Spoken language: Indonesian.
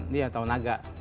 dia tahun naga